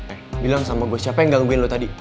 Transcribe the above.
eh bilang sama gua siapa yang gangguin lu tadi